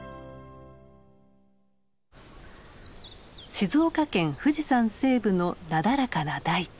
静岡県富士山西部のなだらかな大地。